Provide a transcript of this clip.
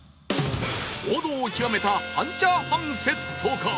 王道を極めた半チャーハンセットか